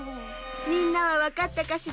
みんなはわかったかしら？